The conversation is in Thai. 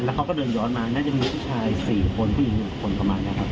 เขาก็เดินย้อนมาน่าจะมีผู้ชาย๔คนผู้หญิง๑คนประมาณนี้ครับ